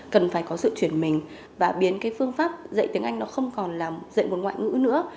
cần phải có sự chuyển mình và biến phương pháp dạy tiếng anh không còn là dạy một ngoại ngữ nữa